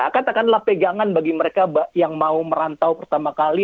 katakanlah pegangan bagi mereka yang mau merantau pertama kali